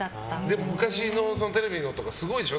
でも、昔のテレビとかすごいでしょ？